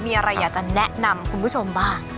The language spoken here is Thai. มีอะไรอยากจะแนะนำคุณผู้ชมบ้าง